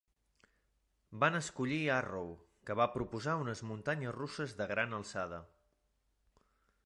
Van escollir Arrow, que va proposar unes muntanyes russes de gran alçada.